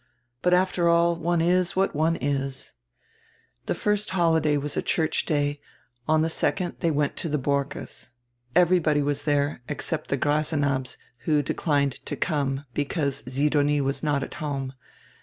But, after all, one is what one is." The first holiday was church day, on die second diey went to die Borckes'. Everybody was diere, except die Grasenabbs, who declined to come, "because Sidonie was not at home."